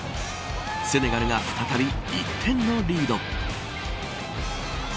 セネガルが再び１点のリード。